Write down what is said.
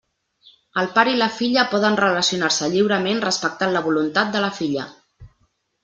El pare i la filla poden relacionar-se lliurement respectant la voluntat de la filla.